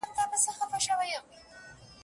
په منطق دي نه پوهېږي دا غویی دی